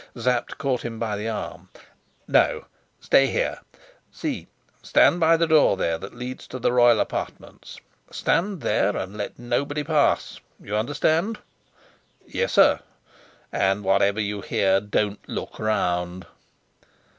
Sapt caught him by the arm. "No, stay here. See, stand by the door there that leads to the royal apartments. Stand there, and let nobody pass. You understand?" "Yes, sir." "And whatever you hear, don't look round."